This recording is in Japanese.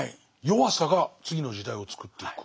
「弱さが次の時代をつくっていく」？